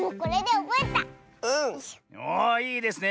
おおいいですね。